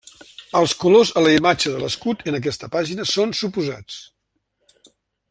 Els colors a la imatge de l'escut en aquesta pàgina són suposats.